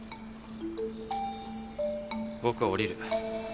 僕は降りる。